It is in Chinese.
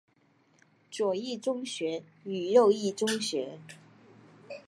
左翼宗学与右翼宗学。